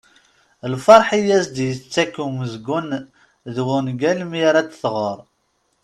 Lferḥ i as-d-yettak umezgun d wungal mi ara t-tɣer.